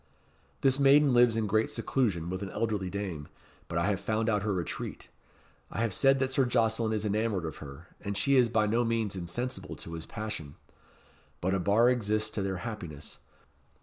"This maiden lives in great seclusion with an elderly dame, but I have found out her retreat. I have said that Sir Jocelyn is enamoured of her, and she is by no means insensible to his passion. But a bar exists to their happiness.